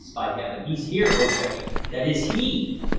By Heaven, he's here. Jose, that is he!"